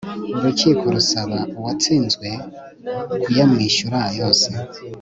urukiko rusaba uwatsinzwe kuyamwishyura yose